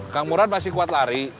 kang murad masih kuat lari